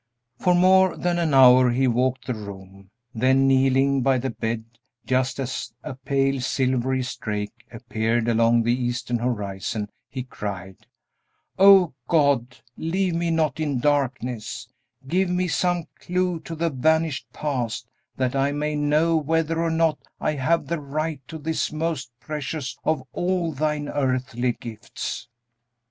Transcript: For more than an hour he walked the room; then kneeling by the bed, just as a pale, silvery streak appeared along the eastern horizon, he cried, "O God, leave me not in darkness; give me some clew to the vanished past, that I may know whether or not I have the right to this most precious of all thine earthly gifts!"